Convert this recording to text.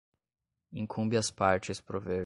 incumbe às partes prover